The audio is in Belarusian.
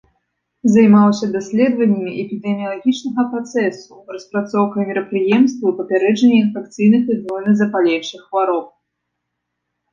Займаўся даследаваннямі эпідэміялагічнага працэсу, распрацоўкай мерапрыемстваў папярэджання інфекцыйных і гнойна-запаленчых хвароб.